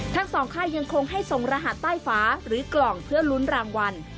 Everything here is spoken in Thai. ทั้งสองค่ายยังคงให้ส่งรหัสใต้ฝาหรือกล่องเพื่อลุ้นรางวัล